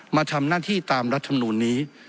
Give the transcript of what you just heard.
มาทำหน้าที่ตามรัฐมนูลนี้